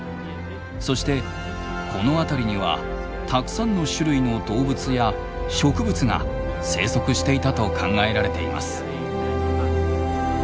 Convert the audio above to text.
そしてこの辺りにはたくさんの種類の動物や植物が生息していたと考えられています。